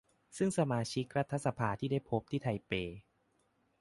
ซึ่งสมาชิกรัฐสภาที่ได้พบที่ไทเป